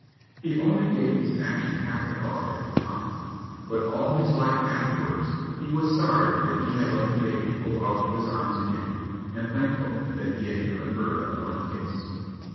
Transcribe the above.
He only gave his action half a thought at the time, but all his life afterwards he was sorry that he had let the baby go out of his arms again, and thankful that he had given her that one kiss.